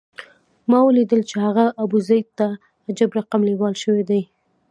ما ولیدل چې هغه ابوزید ته عجب رقم لېوال شوی دی.